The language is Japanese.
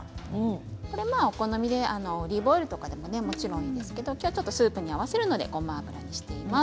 これはお好みでオリーブオイルとかでももちろんいいんですけどきょうはスープに合わせるのでごま油にしています。